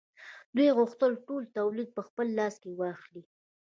دوی غوښتل ټول تولید په خپل لاس کې واخلي